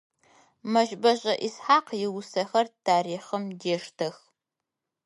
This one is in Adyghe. Мэщбэшӏэ Исхьакъ иусэхэр тарихъым дештэх.